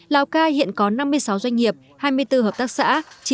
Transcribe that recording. lào cai hiện có năm mươi sáu doanh nghiệp hai mươi bốn hợp tác xã